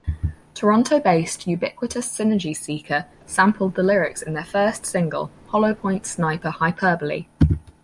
Toronto-based Ubiquitous Synergy Seeker sampled the lyrics in their first single, "Hollowpoint Sniper Hyperbole".